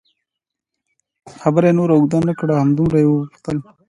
خبره یې نوره اوږده نه کړه، همدومره یې وپوښتل.